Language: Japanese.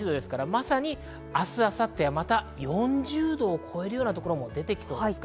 まさに明日、明後日はまた４０度を超えるようなところも出てきそうです。